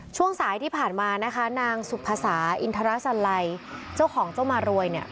ช่วงสายที่ผ่านมานะคะนางสุภาษาอินทรสันลัยเจ้าของเจ้ามารวยเนี่ย